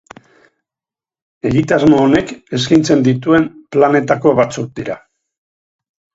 Egitasmo honek eskaintzen dituen planetako batzuk dira.